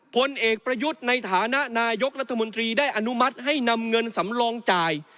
ผลเอกประยุทธ์ในฐานะนายกรัฐมนตรีได้อนุมัติให้นำเงินสำรองจ่าย